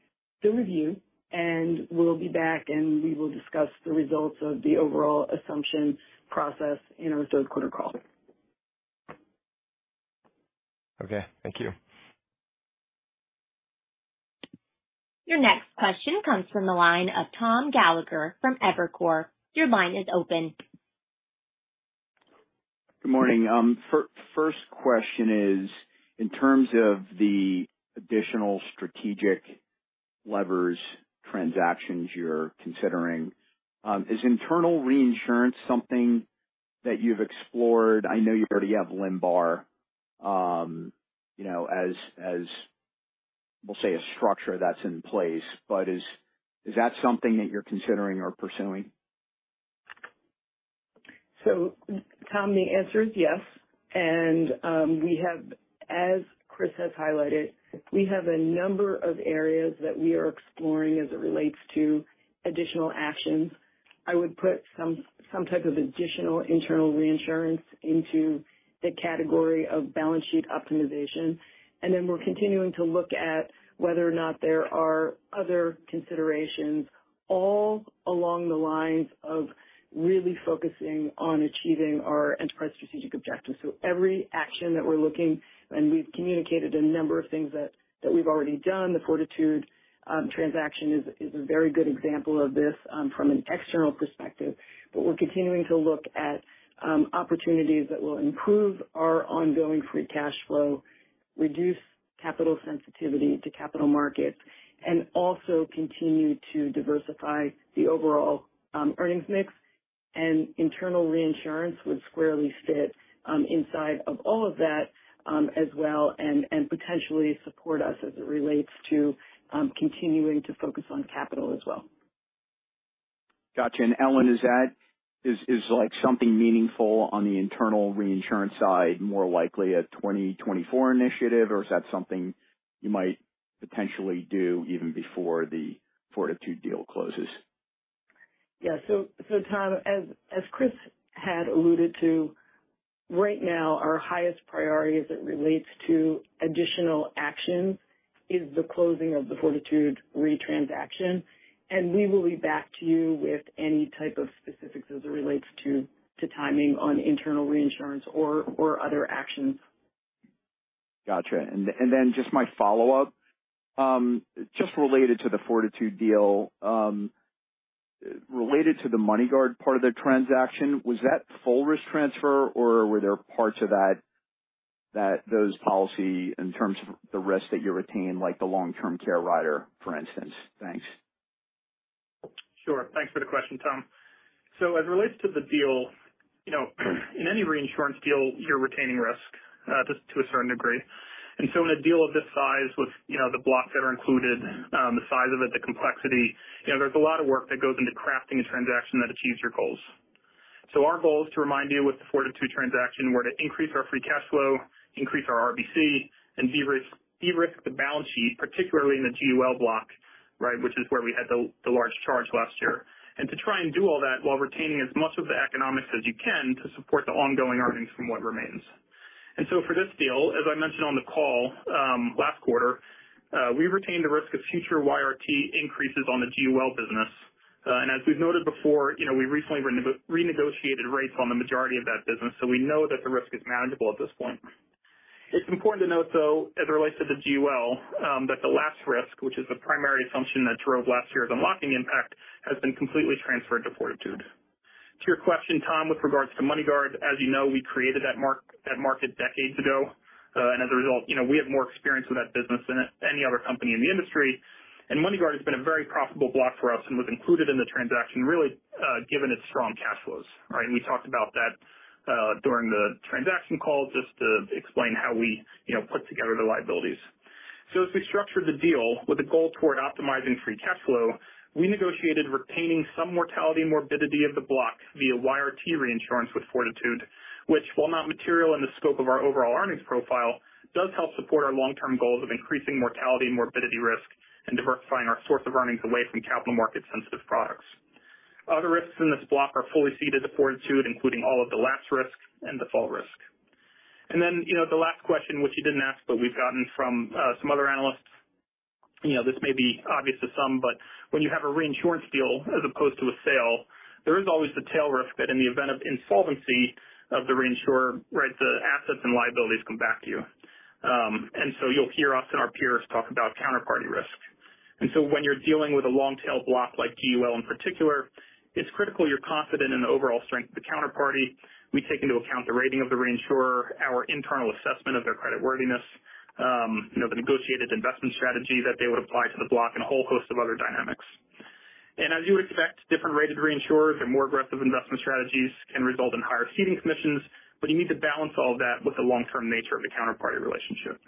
the review and we'll be back and we will discuss the results of the overall assumption process in our third quarter call. Okay. Thank you. Your next question comes from the line of Tom Gallagher from Evercore. Your line is open. Good morning. First question is, in terms of the additional strategic levers, transactions you're considering, is internal reinsurance something that you've explored? I know you already have LNBAR, you know, as we'll say, a structure that's in place, but is that something that you're considering or pursuing? Tom, the answer is yes. We have, as Chris has highlighted, we have a number of areas that we are exploring as it relates to additional actions. I would put some, some type of additional internal reinsurance into the category of balance sheet optimization, and then we're continuing to look at whether or not there are other considerations all along the lines of really focusing on achieving our enterprise strategic objectives. Every action that we're looking, and we've communicated a number of things that, that we've already done. The Fortitude transaction is, is a very good example of this, from an external perspective, we're continuing to look at opportunities that will improve our ongoing free cash flow, reduce capital sensitivity to capital markets, and also continue to diversify the overall earnings mix. internal reinsurance would squarely fit inside of all of that, as well, and, and potentially support us as it relates to, continuing to focus on capital as well. Gotcha. Ellen, is that, is like something meaningful on the internal reinsurance side, more likely a 2024 initiative, or is that something you might potentially do even before the Fortitude deal closes? Yeah. So Tom, as Chris had alluded to, right now, our highest priority as it relates to additional actions is the closing of the Fortitude Re transaction. We will be back to you with any type of specifics as it relates to, to timing on internal reinsurance or, or other actions. Gotcha. Then just my follow-up, just related to the Fortitude deal. Related to the MoneyGuard part of the transaction, was that full risk transfer or were there parts of that, that those policy in terms of the risk that you retain, like the long-term care rider, for instance? Thanks. Sure. Thanks for the question, Tom. As it relates to the deal, you know, in any reinsurance deal, you're retaining risk just to a certain degree. In a deal of this size with, you know, the blocks that are included, the size of it, the complexity, you know, there's a lot of work that goes into crafting a transaction that achieves your goals. Our goal is to remind you, with the Fortitude transaction, were to increase our free cash flow, increase our RBC, and de-risk, de-risk the balance sheet, particularly in the GUL block, right, which is where we had the, the large charge last year. To try and do all that while retaining as much of the economics as you can to support the ongoing earnings from what remains. For this deal, as I mentioned on the call, last quarter, we retained the risk of future YRT increases on the GUL business. As we've noted before, you know, we recently renegotiated rates on the majority of that business, so we know that the risk is manageable at this point. It's important to note, though, as it relates to the GUL, that the last risk, which is the primary assumption that drove last year's unlocking impact, has been completely transferred to Fortitude. To your question, Tom, with regards to MoneyGuard, as you know, we created that market decades ago, and as a result, you know, we have more experience with that business than any other company in the industry. MoneyGuard has been a very profitable block for us and was included in the transaction really, given its strong cash flows. Right? We talked about that during the transaction call just to explain how we, you know, put together the liabilities. As we structured the deal with the goal toward optimizing free cash flow, we negotiated retaining some mortality and morbidity of the block via YRT reinsurance with Fortitude, which, while not material in the scope of our overall earnings profile, does help support our long-term goals of increasing mortality and morbidity risk and diversifying our source of earnings away from capital market sensitive products. Other risks in this block are fully ceded to Fortitude, including all of the lapse risks and default risk. Then, you know, the last question, which you didn't ask, but we've gotten from some other analysts, you know, this may be obvious to some, but when you have a reinsurance deal as opposed to a sale, there is always the tail risk that in the event of insolvency of the reinsurer, right, the assets and liabilities come back to you. So you'll hear us and our peers talk about counterparty risk. So when you're dealing with a long-tail block, like GUL in particular, it's critical you're confident in the overall strength of the counterparty. We take into account the rating of the reinsurer, our internal assessment of their credit worthiness, you know, the negotiated investment strategy that they would apply to the block and a whole host of other dynamics. As you would expect, different rated reinsurers or more aggressive investment strategies can result in higher ceding commissions. You need to balance all of that with the long-term nature of the counterparty relationship.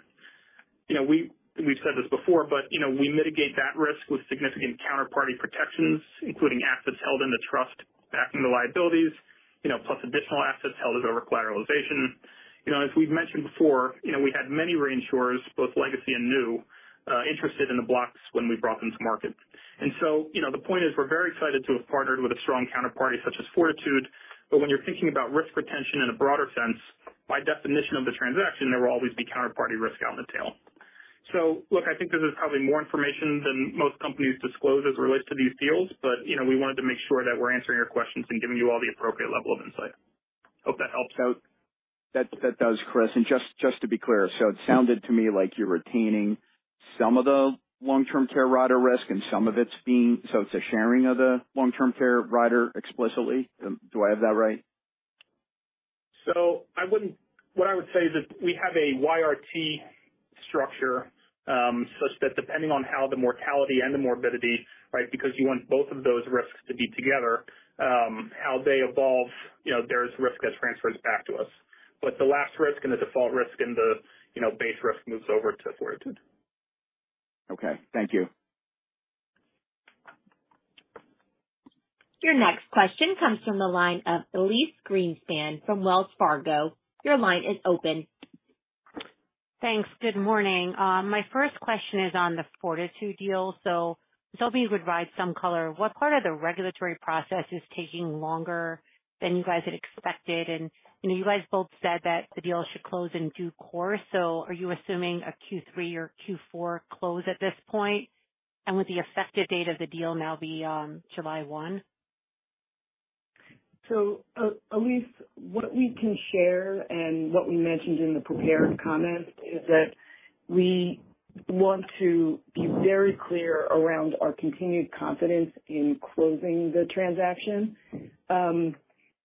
You know, we've said this before, but, you know, we mitigate that risk with significant counterparty protections, including assets held in the trust, backing the liabilities, you know, plus additional assets held as over-collateralization. You know, as we've mentioned before, you know, we had many reinsurers, both legacy and new, interested in the blocks when we brought them to market. You know, the point is, we're very excited to have partnered with a strong counterparty such as Fortitude. When you're thinking about risk retention in a broader sense, by definition of the transaction, there will always be counterparty risk out in the tail. Look, I think this is probably more information than most companies disclose as it relates to these deals, but, you know, we wanted to make sure that we're answering your questions and giving you all the appropriate level of insight. Hope that helps out. That, that does, Chris. Just, just to be clear, it sounded to me like you're retaining some of the long-term care rider risk and some of it's being... It's a sharing of the long-term care rider explicitly. Do I have that right? I would say is that we have a YRT structure, such that depending on how the mortality and the morbidity, right, because you want both of those risks to be together, how they evolve, you know, there's risk that transfers back to us. The lapse risk and the default risk and the, you know, base risk moves over to Fortitude. Okay, thank you. Your next question comes from the line of Elyse Greenspan from Wells Fargo. Your line is open. Thanks. Good morning. My first question is on the Fortitude deal. Maybe you could provide some color. What part of the regulatory process is taking longer than you guys had expected? You know, you guys both said that the deal should close in due course, are you assuming a Q3 or Q4 close at this point? Would the effective date of the deal now be on July 1? Elyse, what we can share and what we mentioned in the prepared comments is that we want to be very clear around our continued confidence in closing the transaction.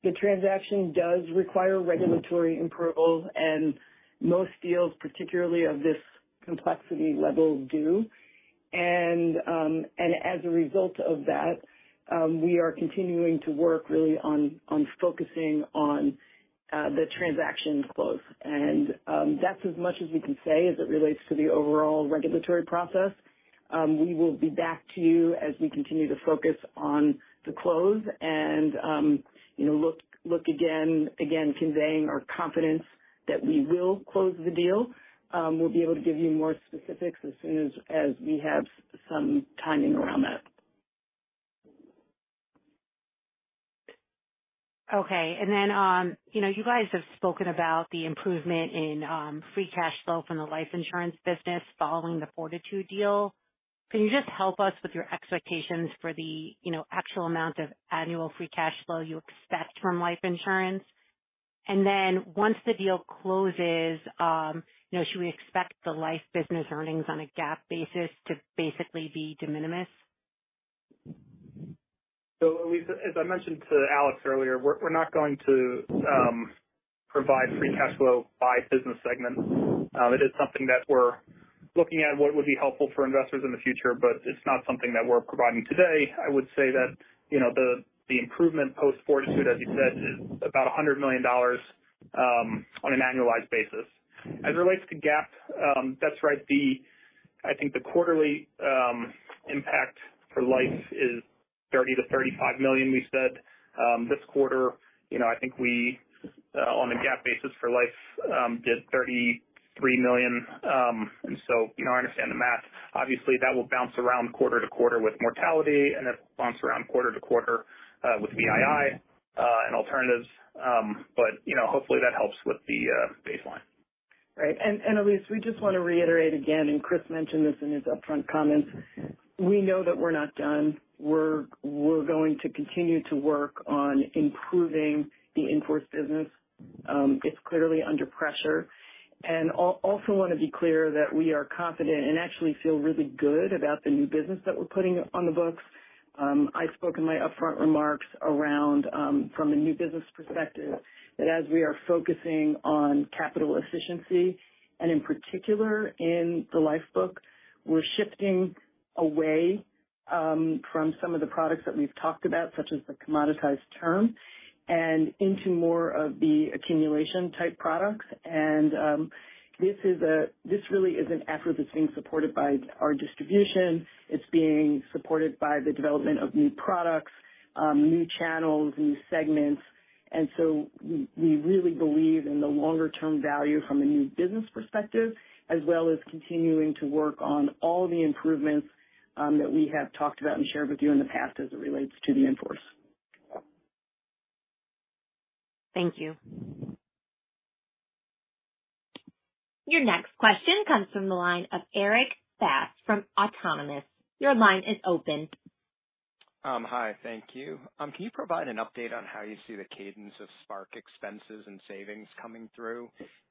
The transaction does require regulatory approval, and most deals, particularly of this complexity level, do. And as a result of that, we are continuing to work really on, on focusing on the transaction close. That's as much as we can say as it relates to the overall regulatory process. We will be back to you as we continue to focus on the close and, you know, look, look again, again, conveying our confidence that we will close the deal. We'll be able to give you more specifics as soon as, as we have some timing around that. Okay. Then, you know, you guys have spoken about the improvement in free cash flow from the life insurance business following the Fortitude deal. Can you just help us with your expectations for the, you know, actual amount of annual free cash flow you expect from life insurance? Then once the deal closes, you know, should we expect the life business earnings on a GAAP basis to basically be de minimis? Elyse, as I mentioned to Alex earlier, we're not going to provide free cash flow by business segment. It is something that we're looking at, what would be helpful for investors in the future, but it's not something that we're providing today. I would say that, you know, the improvement post Fortitude, as you said, is about $100 million on an annualized basis. As it relates to GAAP, that's right, I think the quarterly impact for life is $30 million-$35 million, we said. This quarter, you know, I think we on a GAAP basis for life did $33 million. You know, I understand the math. Obviously, that will bounce around quarter-to-quarter with mortality and it bounce around quarter-to-quarter with VII and alternatives. You know, hopefully, that helps with the baseline. Right. Elyse, we just want to reiterate again, and Chris mentioned this in his upfront comments. We know that we're not done. We're, we're going to continue to work on improving the in-force business. It's clearly under pressure, also want to be clear that we are confident and actually feel really good about the new business that we're putting on the books. I spoke in my upfront remarks around from a new business perspective, that as we are focusing on capital efficiency, and in particular in the lifebook, we're shifting away from some of the products that we've talked about, such as the commoditized term, and into more of the accumulation-type products. This really is an effort that's being supported by our distribution. It's being supported by the development of new products, new channels, new segments, and so we, we really believe in the longer-term value from a new business perspective, as well as continuing to work on all the improvements that we have talked about and shared with you in the past as it relates to the in-force. Thank you. Your next question comes from the line of Erik Bass from Autonomous. Your line is open. Hi. Thank you. Can you provide an update on how you see the cadence of Spark expenses and savings coming through?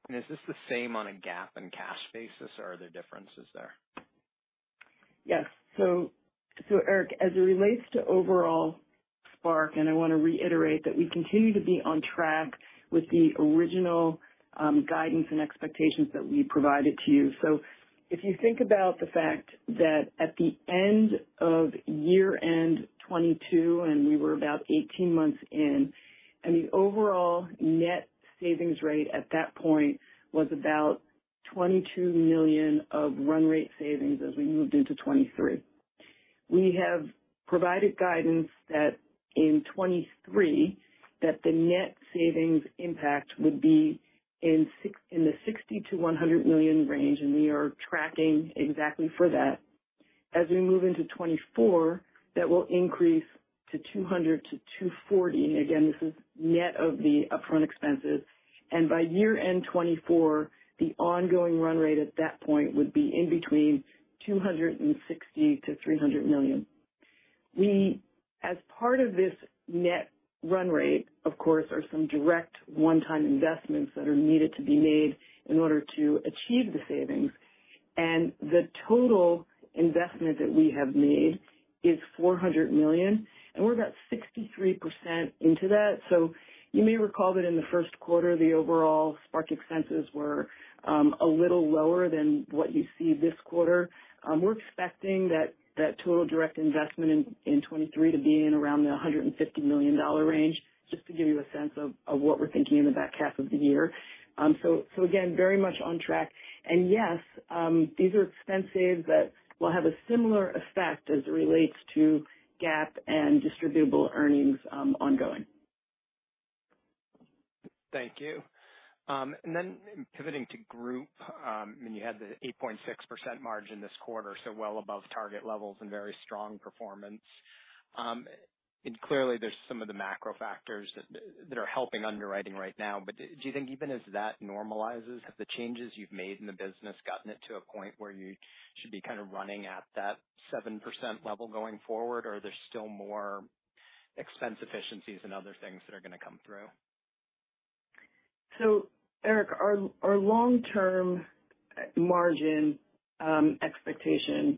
Is this the same on a GAAP and cash basis, or are there differences there? Yes. So Erik, as it relates to overall Spark, and I want to reiterate that we continue to be on track with the original guidance and expectations that we provided to you. If you think about the fact that at the end of year-end 2022, and we were about 18 months in, and the overall net savings rate at that point was about $22 million of run rate savings as we moved into 2023. We have provided guidance that in 2023, that the net savings impact would be in the $60 million-$100 million range, and we are tracking exactly for that. As we move into 2024, that will increase to $200 million-$240 million. Again, this is net of the upfront expenses. By year end 2024, the ongoing run rate at that point would be in between $260 million-$300 million. We, as part of this net run rate, of course, are some direct one-time investments that are needed to be made in order to achieve the savings. The total investment that we have made is $400 million, and we're about 63% into that. You may recall that in the first quarter, the overall Spark expenses were, a little lower than what you see this quarter. We're expecting that, that total direct investment in, in 2023 to be in around the $150 million range, just to give you a sense of, of what we're thinking in the back half of the year. Again, very much on track. Yes, these are expenses that will have a similar effect as it relates to GAAP and distributable earnings, ongoing. Thank you. Pivoting to group, you had the 8.6% margin this quarter, well above target levels and very strong performance. Clearly there's some of the macro factors that, that are helping underwriting right now. Do you think even as that normalizes, have the changes you've made in the business, gotten it to a point where you should be kind of running at that 7% level going forward, or are there still more expense efficiencies and other things that are going to come through? Erik, our, our long-term margin expectation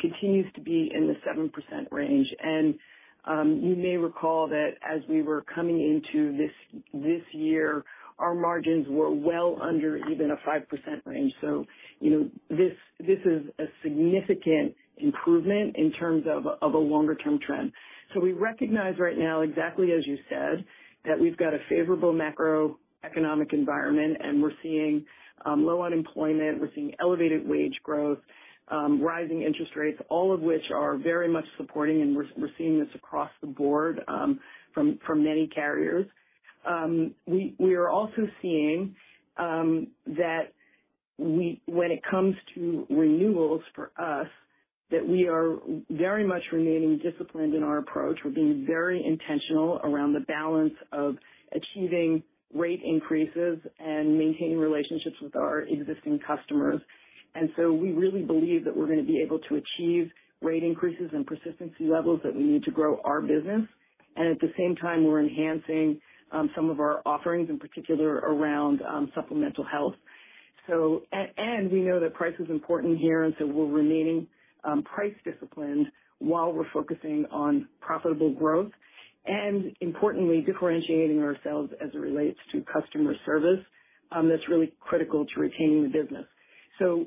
continues to be in the 7% range. You may recall that as we were coming into this, this year, our margins were well under even a 5% range. You know, this, this is a significant improvement in terms of, of a longer-term trend. We recognize right now, exactly as you said, that we've got a favorable macroeconomic environment, and we're seeing low unemployment, we're seeing elevated wage growth-... rising interest rates, all of which are very much supporting, and we're, we're seeing this across the board from, from many carriers. We, we are also seeing that we, when it comes to renewals for us, that we are very much remaining disciplined in our approach. We're being very intentional around the balance of achieving rate increases and maintaining relationships with our existing customers. We really believe that we're going to be able to achieve rate increases and persistency levels that we need to grow our business. At the same time, we're enhancing some of our offerings, in particular around supplemental health. We know that price is important here, we're remaining price disciplined while we're focusing on profitable growth and importantly, differentiating ourselves as it relates to customer service, that's really critical to retaining the business.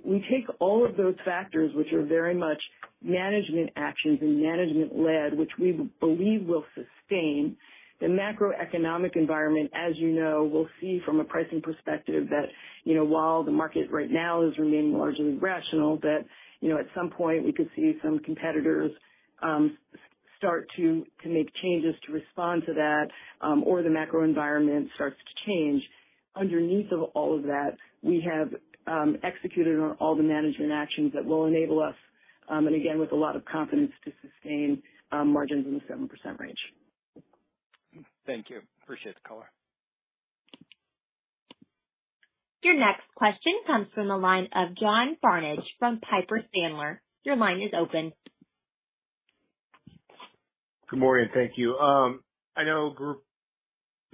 We take all of those factors, which are very much management actions and management-led, which we believe will sustain the macroeconomic environment. As you know, we'll see from a pricing perspective that, you know, while the market right now is remaining largely rational, that, you know, at some point we could see some competitors, start to, to make changes to respond to that, or the macro environment starts to change. Underneath of all of that, we have executed on all the management actions that will enable us, and again, with a lot of confidence, to sustain margins in the 7% range. Thank you. Appreciate the color. Your next question comes from the line of John Barnidge from Piper Sandler. Your line is open. Good morning, thank you. I know group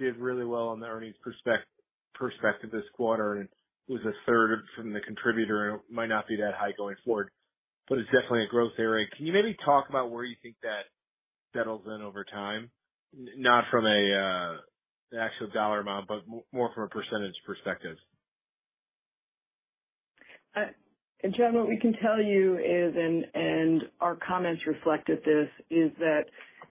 did really well on the earnings perspective this quarter. It was 1/3 from the contributor. It might not be that high going forward. It's definitely a growth area. Can you maybe talk about where you think that settles in over time? Not from an actual dollar amount, more from a percentage perspective. John, what we can tell you is, and our comments reflected this, is that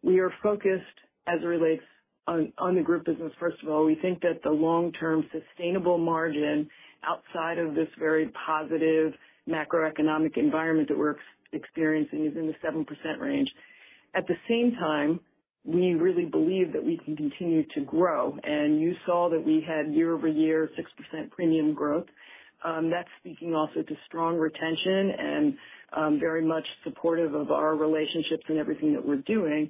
we are focused as it relates on, on the group business. First of all, we think that the long-term sustainable margin outside of this very positive macroeconomic environment that we're experiencing is in the 7% range. At the same time, we really believe that we can continue to grow, and you saw that we had year-over-year 6% premium growth. That's speaking also to strong retention and very much supportive of our relationships and everything that we're doing.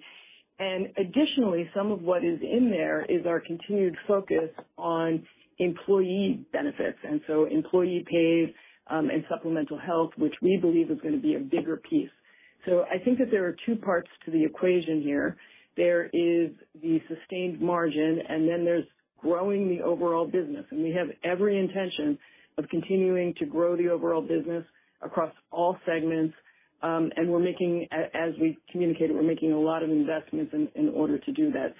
Additionally, some of what is in there is our continued focus on employee benefits, and so employee pays, and supplemental health, which we believe is going to be a bigger piece. I think that there are 2 parts to the equation here. There is the sustained margin, and then there's growing the overall business. We have every intention of continuing to grow the overall business across all segments. We're making as we've communicated, we're making a lot of investments in, in order to do that.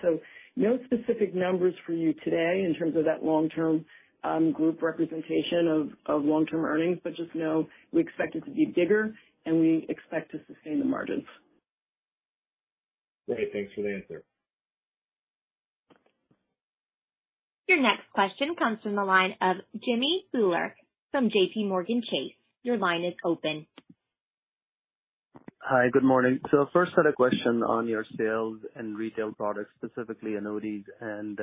No specific numbers for you today in terms of that long-term, group representation of, of long-term earnings, but just know we expect it to be bigger, and we expect to sustain the margins. Great. Thanks for the answer. Your next question comes from the line of Jimmy Bhullar from JPMorgan Chase. Your line is open. Hi, good morning. First had a question on your sales and retail products, specifically annuities and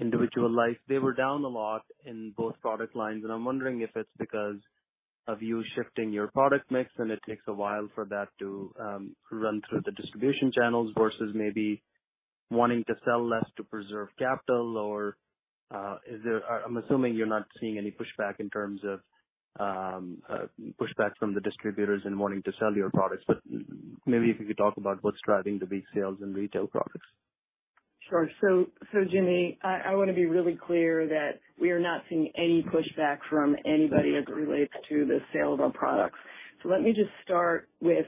individual life. They were down a lot in both product lines, and I'm wondering if it's because of you shifting your product mix, and it takes a while for that to run through the distribution channels versus maybe wanting to sell less to preserve capital or, I'm assuming you're not seeing any pushback in terms of pushback from the distributors in wanting to sell your products, but maybe if you could talk about what's driving the big sales and retail products? Sure. Jimmy, I, I want to be really clear that we are not seeing any pushback from anybody as it relates to the sale of our products. Let me just start with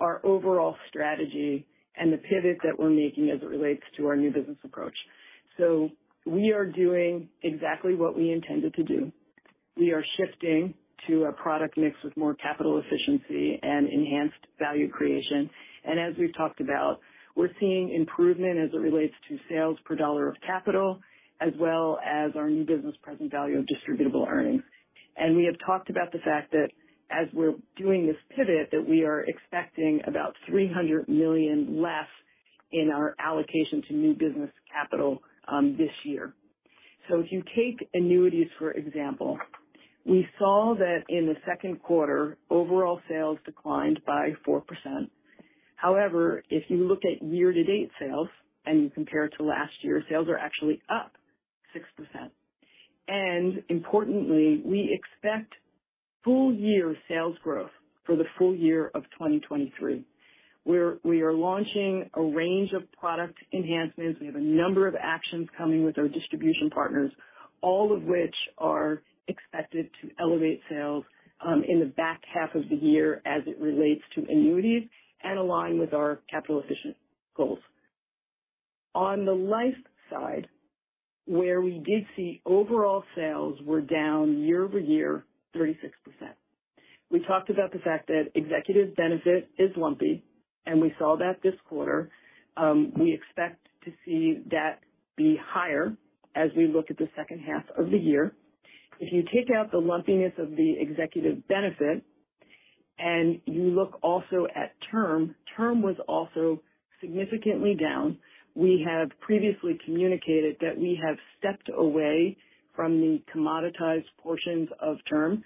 our overall strategy and the pivot that we're making as it relates to our new business approach. We are doing exactly what we intended to do. We are shifting to a product mix with more capital efficiency and enhanced value creation. As we've talked about, we're seeing improvement as it relates to sales per dollar of capital, as well as our new business present value of distributable earnings. We have talked about the fact that as we're doing this pivot, that we are expecting about $300 million less in our allocation to new business capital this year. If you take annuities, for example, we saw that in the second quarter, overall sales declined by 4%. However, if you look at year-to-date sales and you compare it to last year, sales are actually up 6%. Importantly, we expect full year sales growth for the full year of 2023, where we are launching a range of product enhancements. We have a number of actions coming with our distribution partners, all of which are expected to elevate sales in the back half of the year as it relates to annuities and align with our capital efficient goals. On the life side, where we did see overall sales were down year-over-year, 36%. We talked about the fact that executive benefit is lumpy. We saw that this quarter. We expect to see that be higher as we look at the second half of the year. If you take out the lumpiness of the executive benefit and you look also at term, term was also significantly down. We have previously communicated that we have stepped away from the commoditized portions of term.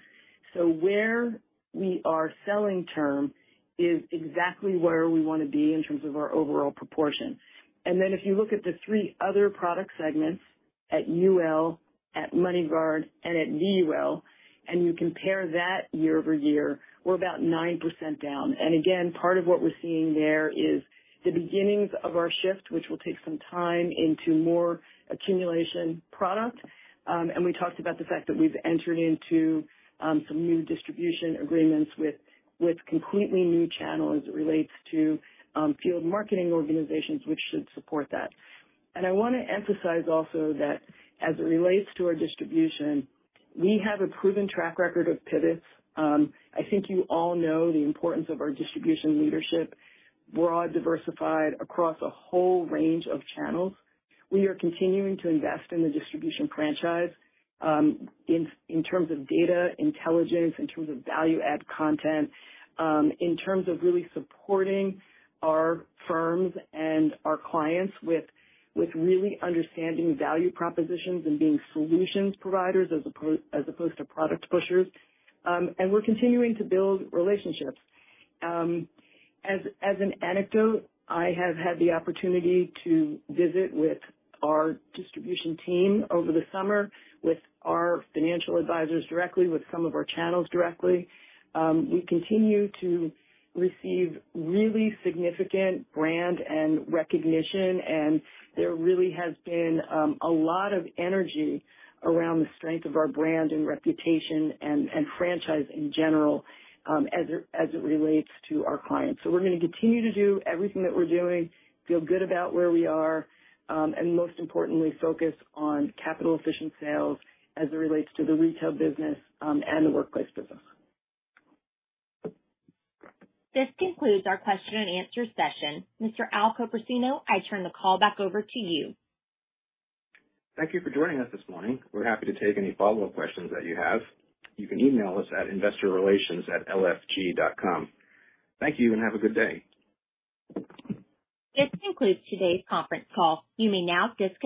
Where we are selling term is exactly where we want to be in terms of our overall proportion. If you look at the three other product segments at UL, at MoneyGuard, and at VUL, and you compare that year-over-year, we're about 9% down. Again, part of what we're seeing there is the beginnings of our shift, which will take some time, into more accumulation product. We talked about the fact that we've entered into some new distribution agreements with, with completely new channels as it relates to field marketing organizations, which should support that. I want to emphasize also that as it relates to our distribution, we have a proven track record of pivots. I think you all know the importance of our distribution leadership, broad, diversified across a whole range of channels. We are continuing to invest in the distribution franchise, in, in terms of data intelligence, in terms of value-add content, in terms of really supporting our firms and our clients with, with really understanding value propositions and being solutions providers as opposed to product pushers. We're continuing to build relationships. As, as an anecdote, I have had the opportunity to visit with our distribution team over the summer, with our financial advisors directly, with some of our channels directly. We continue to receive really significant brand and recognition, and there really has been a lot of energy around the strength of our brand and reputation and, and franchise in general, as it, as it relates to our clients. We're going to continue to do everything that we're doing, feel good about where we are, and most importantly, focus on capital efficient sales as it relates to the retail business, and the workplace business. This concludes our question and answer session. Mr. Al Copersino, I turn the call back over to you. Thank you for joining us this morning. We're happy to take any follow-up questions that you have. You can email us at investorrelations@lfg.com. Thank you, and have a good day. This concludes today's conference call. You may now disconnect.